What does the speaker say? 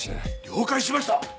了解しました！